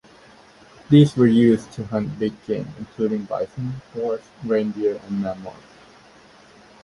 These were used to hunt big game including bison, horse, reindeer and mammoth.